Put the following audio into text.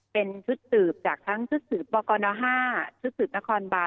เป็นชุดสืบจากทั้งชุดสืบปกน๕ชุดสืบนครบาน